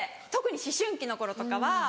特に思春期の頃とかは。